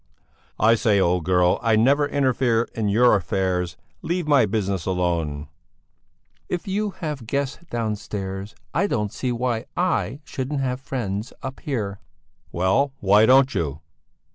"I say, old girl, I never interfere in your affairs; leave my business alone." "If you have guests downstairs, I don't see why I shouldn't have friends up here!" "Well, why don't you?"